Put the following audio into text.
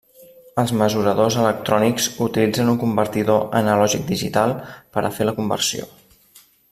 Els mesuradors electrònics utilitzen un convertidor analògic-digital per a fer la conversió.